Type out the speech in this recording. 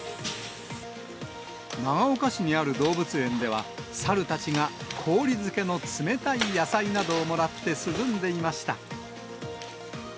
長岡市にある動物園では、猿たちが氷漬けの冷たい野菜などをもらって涼んでいました。